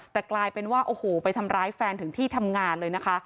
แต่กลายเป็นว่าโอ้โหไปทำร้ายแฟนถึงที่ทำงานเลยนะคะ